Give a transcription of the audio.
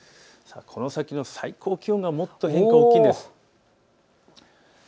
この先の最高気温がもっと変化、大きいんです。